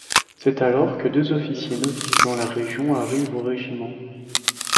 C'est alors que deux officiers novices dans la région arrivent au régiment.